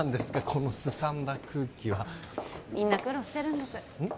このすさんだ空気はみんな苦労してるんですうん？